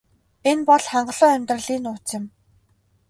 Энэ бол хангалуун амьдралын нууц юм.